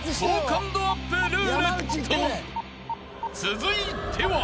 ［続いては］